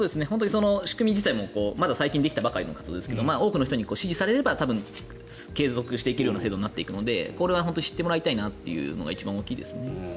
仕組み自体もまだ最近できたばかりの活動ですけど多くの人に支持されれば継続していけるような制度になっていくのでこれは知ってもらいたいなというのが一番大きいですね。